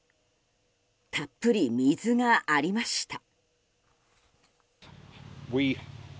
たっぷり水がありました。